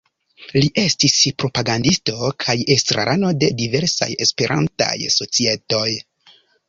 Li estis propagandisto kaj estrarano de diversaj Esperantaj societoj.